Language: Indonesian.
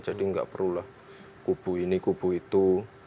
jadi enggak perulah kubu ini kubu itu